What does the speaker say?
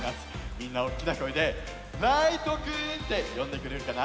みんなおっきなこえで「ライトくん」ってよんでくれるかな？